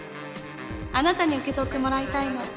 あなたに受け取ってもらいたいの。